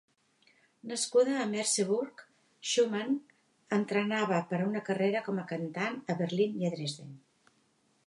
Nascuda a Merseburg, Schumann entrenava per a una carrera com a cantant a Berlín i a Dresden.